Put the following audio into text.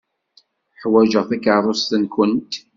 Ḥwajeɣ takeṛṛust-nwent.